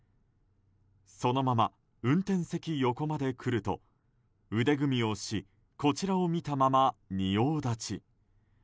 そのまま運転席横まで来ると腕組みをしこちらを見たまま、仁王立ち。